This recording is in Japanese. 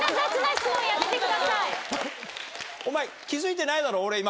お前気付いてないだろ俺今。